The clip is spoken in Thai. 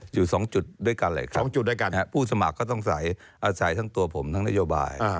อยู่๒จุดด้วยกันเลย๒จุดด้วยกันครับผู้สมัครก็ต้องอาศัยทั้งตัวผมทั้งนโยบาย